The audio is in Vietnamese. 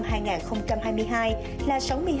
một trong những ứng dụng